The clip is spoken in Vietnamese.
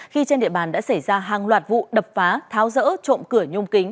khi trên địa bàn đã xảy ra hàng loạt vụ đập phá tháo rỡ trộm cửa nhôm kính